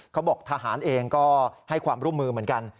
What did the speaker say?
เขาบอกทหารเองก็ให้ความร่วมมือเหมือนกัน